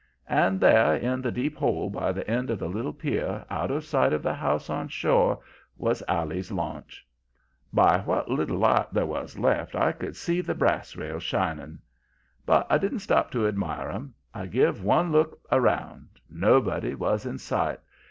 And there in the deep hole by the end of the little pier, out of sight of the house on shore, was Allie's launch. By what little light there was left I could see the brass rails shining. "But I didn't stop to admire 'em. I give one look around. Nobody was in sight.